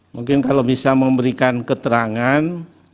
mungkin kalau bisa memberikan keterangan